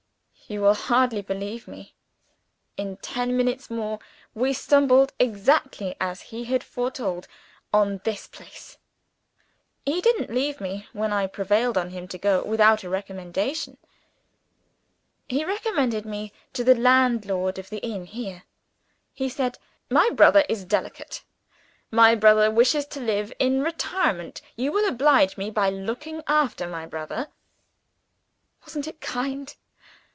You will hardly believe me in ten minutes more, we stumbled, exactly as he had foretold, on this place. He didn't leave me when I had prevailed on him to go without a recommendation. He recommended me to the landlord of the inn here. He said, 'My brother is delicate; my brother wishes to live in retirement; you will oblige me by looking after my brother.' Wasn't it kind?